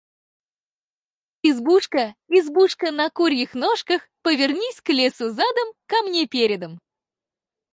Избушка, избушка на курьих ножках: повернись к лесу задом, ко мне передом!